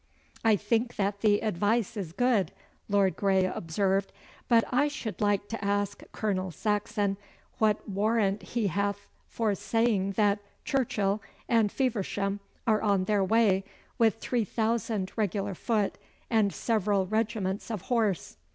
'I think that the advice is good,' Lord Grey observed; 'but I should like to ask Colonel Saxon what warrant he hath for saying that Churchill and Feversham are on their way, with three thousand regular foot and several regiments of horse?